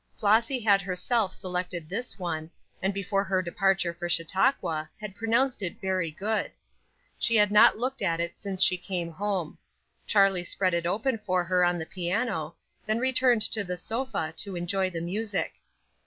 Flossy had herself selected this one, and before her departure for Chautauqua had pronounced it very good. She had not looked at it since she came home. Charlie spread it open for her on the piano, then returned to the sofa to enjoy the music.